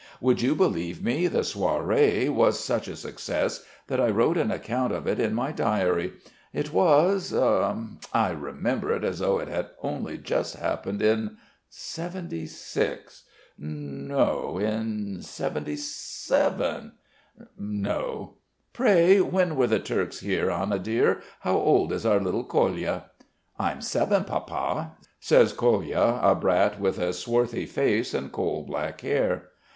Would you believe me, the soiree was such a success that I wrote an account of it in my diary? It was, I remember it as though it had only just happened, in '76,... no, in '77.... No! Pray, when were the Turks here? Anna dear, how old is our little Kolya?" "I'm seven, Papa!" says Kolya, a brat with a swarthy face and coal black hair.